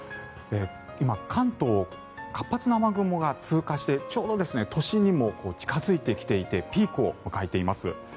今、関東活発な雨雲が通過してちょうど都心にも近付いてきていてピークを迎えています。